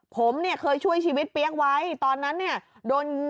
ผมเนี่ยเคยช่วยชีวิตเปี๊ยกไว้ตอนนั้นเนี่ยโดน